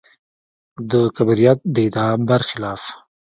د کبریت د ادعا برخلاف.